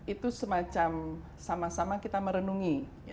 itu semacam sama sama kita merenungi